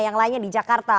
yang lainnya di jakarta